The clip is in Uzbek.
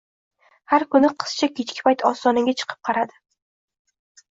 Har kuni qizcha kechki payt ostonaga chiqib qaradi